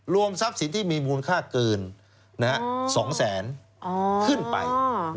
ทรัพย์สินที่มีมูลค่าเกิน๒แสนขึ้นไป